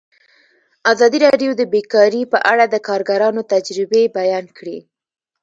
ازادي راډیو د بیکاري په اړه د کارګرانو تجربې بیان کړي.